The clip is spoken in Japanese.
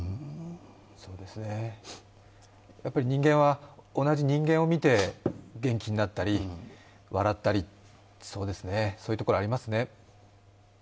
人間は同じ人間を見て元気になったり笑ったりそういうところ、ありますね。